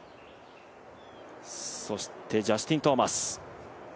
そしてジャスティン・トーマス。